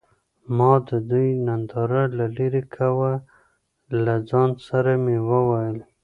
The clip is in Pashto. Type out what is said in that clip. ما د دوي ننداره له لرې کوه له ځان سره مې وويل.